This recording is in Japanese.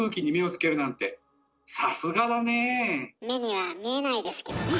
目には見えないですけどね。